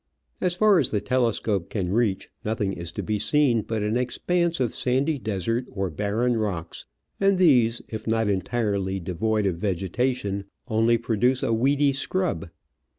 As far as the telescope can reach nothing is to be seen but an expanse of sandy desert or barren rocks, and these, if not entirely devoid of vegetation, only produce a weedy scrub.